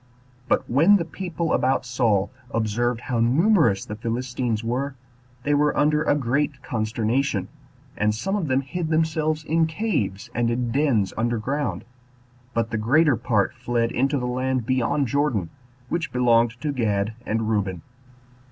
But when the people about Saul observed how numerous the Philistines were, they were under a great consternation; and some of them hid themselves in caves and in dens under ground, but the greater part fled into the land beyond Jordan, which belonged to Gad and Reuben.